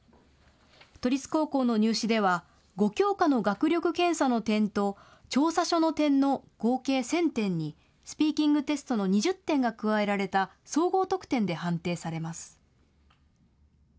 都立高校の入試では５教科の学力検査の点と調査書の点の合計１０００点にスピーキングテストの２０点が加えられた総合得点で判定されます。